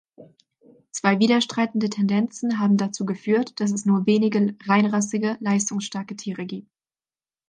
Zwei widerstreitende Tendenzen haben dazu geführt, dass es nur wenige reinrassige, leistungsstarke Tiere gibt.